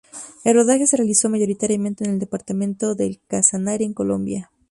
El rodaje se realizó mayoritariamente en el departamento del Casanare en Colombia.